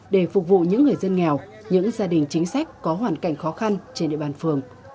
để phục vụ những người dân nghèo những gia đình chính sách có hoàn cảnh khó khăn trên địa bàn phường